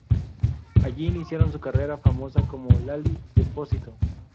Allí iniciaron su carrera famosas como Lali Espósito.